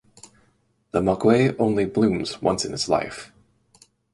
The maguey only blooms once in its life.